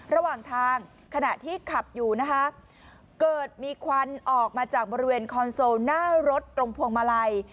ระหว่างทางขณะที่ขับอยู่นะคะเกิดมีควันออกมาจากบริเวณคอนโซลหน้ารถตรงพวงมาลัย